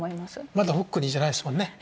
まだホックニーじゃないですもんね。